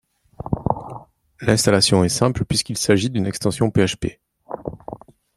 L'installation est simple puisqu'il s'agisse d'une extension PHP